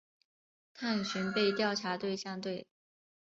探寻被调查对象对。